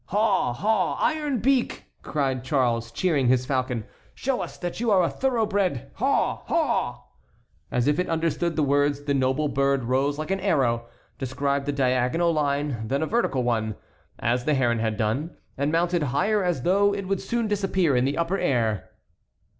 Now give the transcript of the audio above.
"Haw! Haw! Iron Beak!" cried Charles, cheering his falcon. "Show us that you are a thoroughbred! Haw! Haw!" As if it understood the words the noble bird rose like an arrow, described a diagonal line, then a vertical one, as the heron had done, and mounted higher as though it would soon disappear in the upper air.